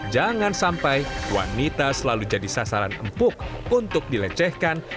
jangan sampai wanita selalu jadi sasaran empuk untuk dilecehkan